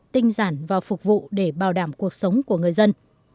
tinh giản và phục vụ để bảo đảm cuộc sống của người dân